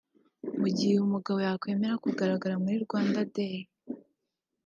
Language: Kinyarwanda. Mu gihe uyu mugabo yakwemera kugaragara muri Rwanda Day